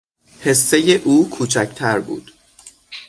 حصهی او کوچکتر بود.